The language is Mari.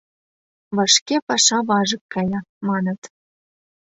Вашке паша важык кая, маныт...